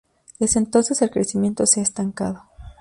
Desde entonces el crecimiento se ha estancado.